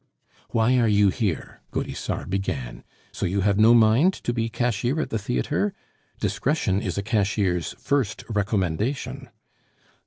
"Why are you here?" Gaudissart began. "So you have no mind to be cashier at the theatre? Discretion is a cashier's first recommendation."